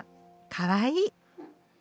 かわいい。